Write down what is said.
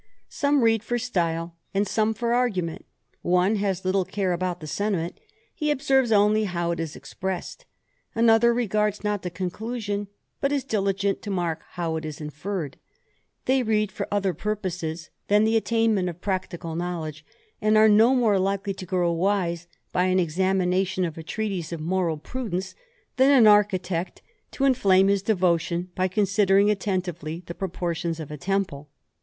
265 Some read for styles and some for argument ; one has litde care about the sentiment, he observes only how it is expressed ; another regards not the conclusion, but is diligent to mark how it is inferred: they read for other purposes than the attainment of practical knowledge ; and are no more likely to grow wise by an examination of a treatise of moral prudence than an architect to inflame Ws devotion by considering attentively the proportions of a temple.